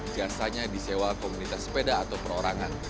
jasanya disewa komunitas sepeda atau perorangan